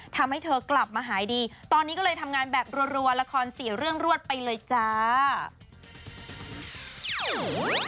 ทำให้เธอกลับมาหายดีตอนนี้ก็เลยทำงานแบบรัวละคร๔เรื่องรวดไปเลยจ้า